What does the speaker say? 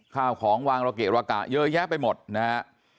ข้าวของวางระเกะระกะเยอะแยะไปหมดนะฮะ